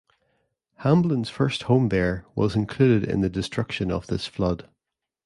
Hamblin's first home there was included in the destruction of this flood.